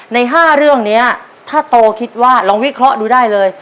ใน๕เรื่องนี้ถ้าโตคิดว่าลองวิเคราะห์ดูได้เลย